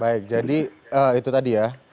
baik jadi itu tadi ya